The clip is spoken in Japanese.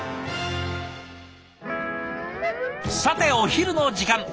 さてお昼の時間。